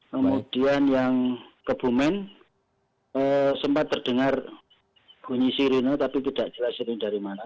kemudian yang kebumen sempat terdengar bunyi sirinnya tapi tidak jelasirin dari mana